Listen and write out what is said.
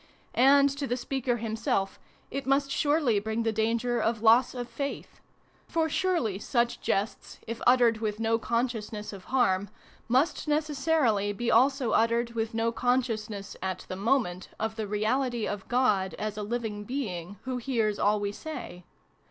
And to the speaker himself it must surely bring the danger of loss of faith. For surely such jests, if uttered with no consciousness of harm, must necessarily be also uttered with no consciousness, at the moment, of the reality of God, as a living being , who hears all we say.